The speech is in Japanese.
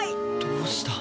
どうした？